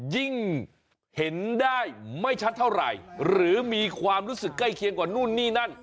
ยิ่งเห็นได้ไม่ชัดเท่าไหร่หรือมีความรู้สึกใกล้เคียงกว่านู่นนี่นั่น